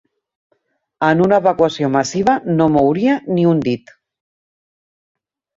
En una evacuació massiva no mouria ni un dit.